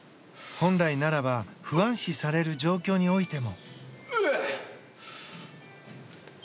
本来ならば不安視される状況においても。